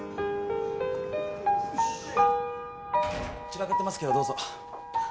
散らかってますけどどうぞ。